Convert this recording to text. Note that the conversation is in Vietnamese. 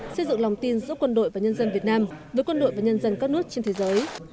xây dựng lòng tin giữa quân đội và nhân dân việt nam với quân đội và nhân dân các nước trên thế giới